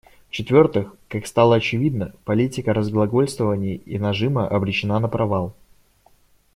В-четвертых, как стало очевидно, политика разглагольствований и нажима обречена на провал.